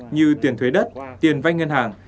như tiền thuế đất tiền vay ngân hàng